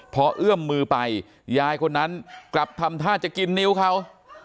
พอเอื้อมมือไปยายคนนั้นกลับทำท่าจะกินนิ้วเขา